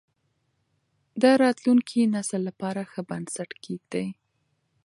د راتلونکي نسل لپاره ښه بنسټ کېږدئ.